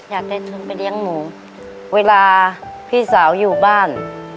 อยากได้ทุนไปเลี้ยงหมูเวลาพี่สาวอยู่บ้าน